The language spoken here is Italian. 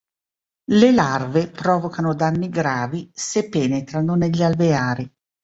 Le larve provocano danni gravi se penetrano negli alveari.